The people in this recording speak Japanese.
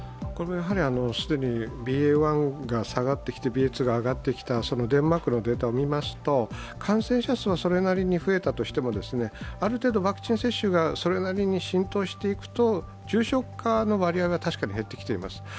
これも既にＢＡ．１が下がってきてＢＡ．２が上がってきたそのデンマークのデータを見ますと感染者数はそれなりに増えたとしてもある程度ワクチン接種がそれなりに浸透していくと重症化の割合は、確かに減ってきています。